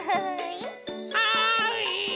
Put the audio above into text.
はい！